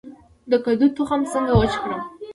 د کدو تخم څنګه وچ کړم؟